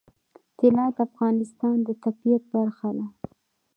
طلا د افغانستان د طبیعت برخه ده.